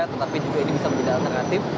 tetapi juga ini bisa menjadi alternatif